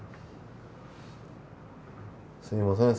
すみません。